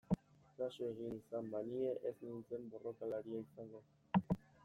Kasu egin izan banie ez nintzen borrokalaria izango...